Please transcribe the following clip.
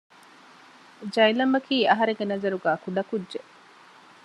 ޖައިލަމްއަކީ އަހަރެންގެ ނަޒަރުގައި ކުޑަކުއްޖެެއް